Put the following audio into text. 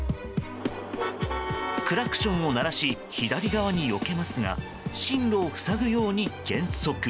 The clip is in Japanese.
クラクションを鳴らし左側によけますが進路を塞ぐように減速。